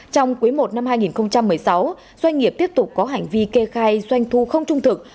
trong quý i năm hai nghìn một mươi sáu doanh nghiệp tiếp tục có hành vi kê khai doanh thu không trung thực